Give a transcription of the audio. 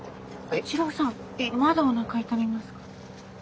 一郎さんまだおなか痛みますか？